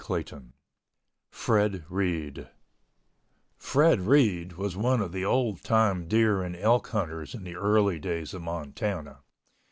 CHAPTER XII FRED REID Fred Reid was one of the old time deer and elk hunters in the early days of Montana.